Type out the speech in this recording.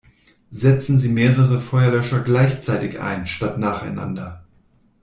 Setzen Sie mehrere Feuerlöscher gleichzeitig ein, statt nacheinander!